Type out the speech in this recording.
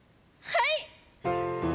はい。